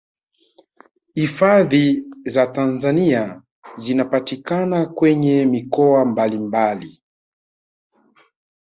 hifadhi za tanzania zinapatikana kwenye mikoa mbalimbali